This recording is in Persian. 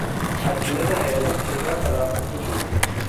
از شدت هیجان چهرهاش برافروخته شده بود.